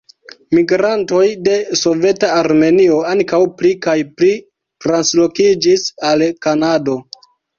Migrantoj de soveta Armenio ankaŭ pli kaj pli translokiĝis al Kanado.